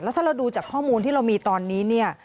แล้วถ้าเราดูจากข้อมูลที่เรามีตอนนี้